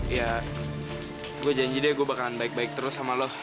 ya gue janji deh gue bakalan baik baik terus sama lo